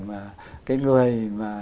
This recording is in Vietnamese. mà cái người